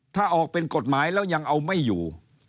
ถ้าออกเป็นกฎหมายแล้วยังเอาไม่อยู่